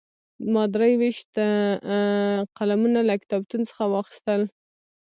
ما درې ویشت قلمونه له کتابتون څخه واخیستل.